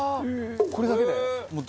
これだけで。